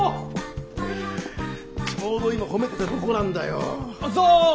ちょうど今褒めてたとこなんだよ。